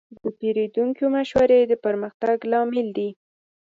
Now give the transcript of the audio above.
د پیرودونکو مشورې د پرمختګ لامل دي.